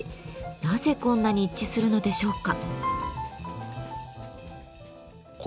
なぜこんなに一致するのでしょうか。